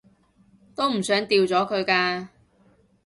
都唔想掉咗佢㗎